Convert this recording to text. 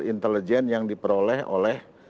intelijen yang diperoleh oleh